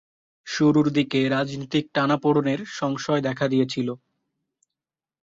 শুরুর দিকে রাজনৈতিক টানাপোড়েনের সংশয় দেখা দিয়েছিল।